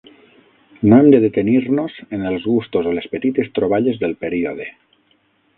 No hem de detenir-nos en els gustos o les petites troballes del període.